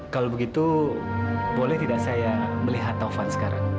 kalau begitu boleh tidak saya melihat taufan sekarang